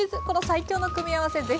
この最強の組み合わせ